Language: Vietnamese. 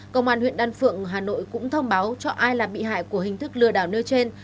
công an huyện đan phượng hà nội cũng thông báo cho ai là bị hại của hình thức lừa đảo nơi trên